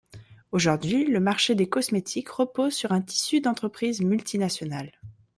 Aujourd'hui, le marché des cosmétiques repose sur un tissu d'entreprises multinationales.